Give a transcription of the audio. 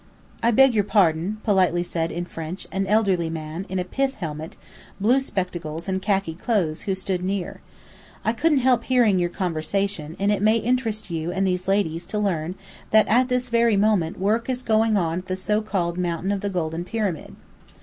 "I beg your pardon," politely said (in French) an elderly man, in a pith helmet, blue spectacles, and khaki clothes, who stood near. "I couldn't help hearing your conversation; and it may interest you and these ladies to learn that at this very moment work is going on at the so called Mountain of the Golden Pyramid."